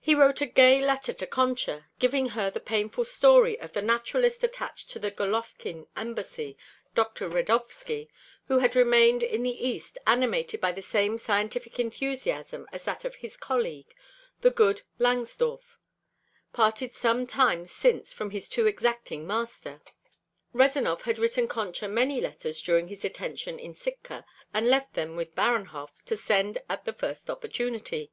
He wrote a gay letter to Concha, giving her the painful story of the naturalist attached to the Golofkin embassy, Dr. Redovsky, who had remained in the East animated by the same scientific enthusiasm as that of his colleague, the good Langsdorff; parted some time since from his too exacting master. Rezanov had written Concha many letters during his detention in Sitka, and left them with Baranhov to send at the first opportunity.